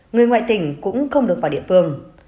người ngoại tỉnh cũng không được vào địa phương